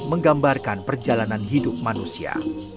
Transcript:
menggambarkan perjalanan hidup manusia